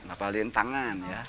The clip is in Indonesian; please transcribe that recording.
apalagi dengan tangan ya